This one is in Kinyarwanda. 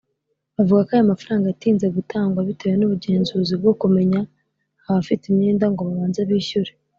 bavuga ko aya mafaranga yatinze gutangwa bitewe n’ubugenzuzi bwo kumenya abafite imyenda ngo babanze bishyure